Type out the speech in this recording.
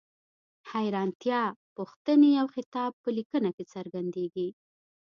حیرانتیا، پوښتنې او خطاب په لیکنه کې څرګندیږي.